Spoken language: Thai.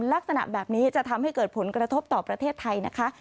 ลักษณะแบบนี้จะทำให้เกิดผลกระทบต่อประเทศไทยนะคะ